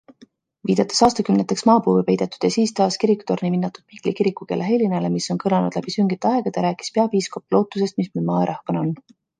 Viidates aastakümneteks maapõue peidetud ja siis taas kirikutorni vinnatud Mihkli kirikukella helinale, mis on kõlanud läbi süngete aegade, rääkis peapiiskop lootusest, mis meil maa ja rahvana on.